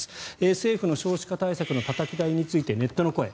政府の少子化対策のたたき台について、ネットの声。